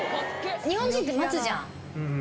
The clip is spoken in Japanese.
日本人って待つじゃん。